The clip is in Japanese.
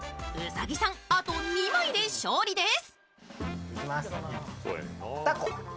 兎さん、あと２枚で勝利です。